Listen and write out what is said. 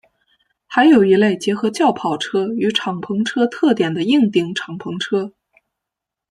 还有一类结合轿跑车与敞篷车特点的硬顶敞篷车。